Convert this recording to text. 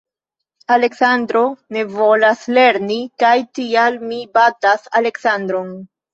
Aleksandro ne volas lerni, kaj tial mi batas Aleksandron.